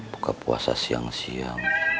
buka puasa siang siang